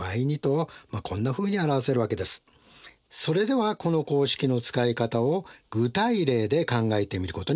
それではこの公式の使い方を具体例で考えてみることにしましょう。